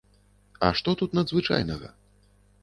А што тут надзвычайнага?